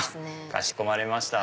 かしこまりました。